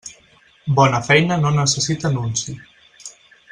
Bona feina no necessita nunci.